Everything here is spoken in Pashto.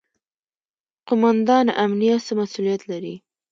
قوماندان امنیه څه مسوولیت لري؟